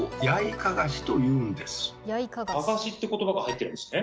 「カガシ」って言葉が入ってるんですね。